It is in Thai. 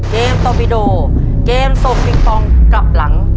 เกมตอบิโดเกมโสกริงปลอมกลับหลัง